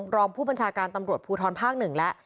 รองผู้บัญชาการตำรวจภูทรภาค๑แล้ว